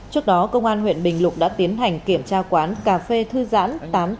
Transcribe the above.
trước đó công an huyện bình lục đã tiến hành kiểm tra quán cà phê thư giãn tám trăm tám mươi tám